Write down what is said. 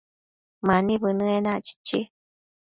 Mani bënë enac, chichi